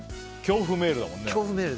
恐怖メールだもんね。